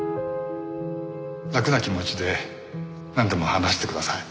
楽な気持ちでなんでも話してください。